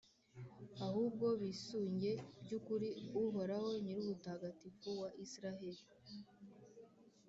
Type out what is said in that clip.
ahubwo bisunge by’ukuri Uhoraho, Nyirubutagatifu wa Israheli.